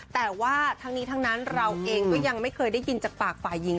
แต่ว่าทั้งนี้ทั้งนั้นเราเองก็ยังไม่เคยได้ยินจากปากฝ่ายหญิง